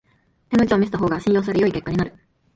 手の内を見せた方が信用され良い結果になる